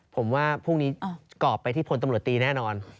ผมว่าพรุ่งนี้กรอบไปที่พลตำรวจตีแน่นอน